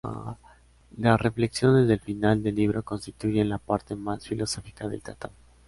Las reflexiones del final del libro constituyen la parte más filosófica del tratado.